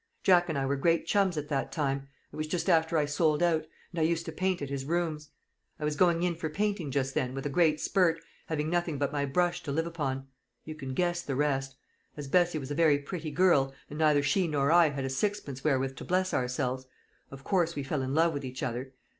Jack and I were great chums at that time it was just after I sold out and I used to paint at his rooms. I was going in for painting just then with a great spurt, having nothing but my brush to live upon. You can guess the rest. As Bessie was a very pretty girl, and neither she nor I had a sixpence wherewith to bless ourselves, of course we fell in love with each other.